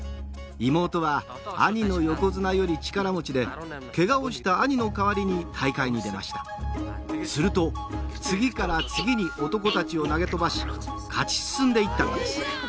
妹は兄の横綱より力持ちでケガをした兄の代わりに大会に出ましたすると次から次に男達を投げ飛ばし勝ち進んでいったのです